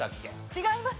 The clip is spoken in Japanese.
違います。